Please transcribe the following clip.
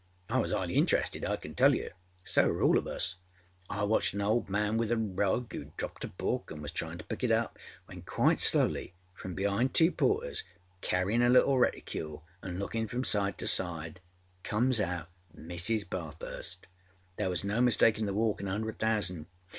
I was âighly interested, I can tell you. So were all of us. I watched an old man with a rug âooâd dropped a book anâ was tryinâ to pick it up, when quite slowly, from beâind two portersâcarryinâ a little reticule anâ lookinâ from side to sideâcomes out Mrs. Bathurst. There was no mistakinâ the walk in a hundred thousand.